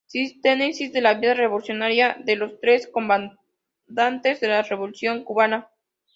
Síntesis de la vida revolucionaria de los tres Comandantes de la Revolución Cubana.